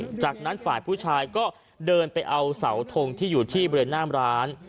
หลังจากนั้นฝ่ายผู้ชายก็เดินไปเอาเสาทงที่อยู่ที่บริเวณหน้ามร้าน